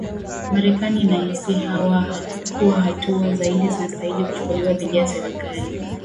marekani inahisi kuwa hatua zaidi zinastahili kuchukuliwa dhidi ya serikali